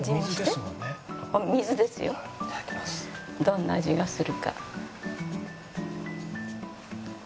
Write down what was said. どんな味がするか。